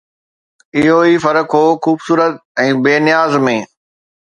اهو ئي فرق هو خوبصورت ۽ بي نياز ۾